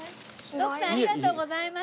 徳さんありがとうございました。